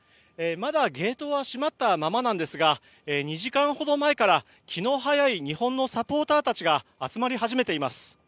まだゲートは閉まったままなんですが２時間ほど前から気の早い日本のサポーターたちが集まり始めています。